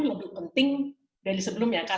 lebih penting dari sebelumnya